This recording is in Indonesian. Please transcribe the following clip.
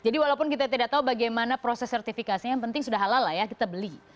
di mana proses sertifikasi yang penting sudah halal ya kita beli